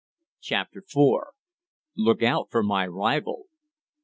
CHAPTER IV "LOOK OUT FOR MY RIVAL!"